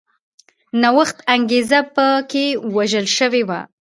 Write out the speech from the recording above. نوښت انګېزه په کې وژل شوې وه